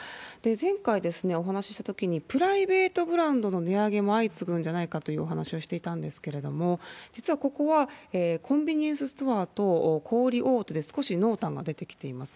前回お話ししたときに、プライベートブランドの値上げも相次ぐんじゃないかというお話しをしていたんですけれども、実はここはコンビニエンスストアと小売り大手で少し濃淡が出てきています。